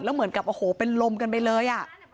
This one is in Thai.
แล้วเหมือนกับโอ้โหเป็นลมกันไปเลย